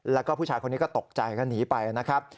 แล้วก็ผู้ชายคนนี้ก็ตกใจก็หนีไปนะครับ